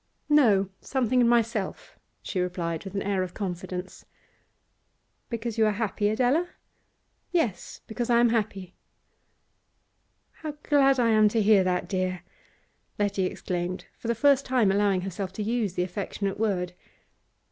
'No, something in myself,' she replied with an air of confidence. 'Because you are happy, Adela?' 'Yes, because I am happy.' 'How glad I am to hear that, dear!' Letty exclaimed, for the first time allowing herself to use the affectionate word.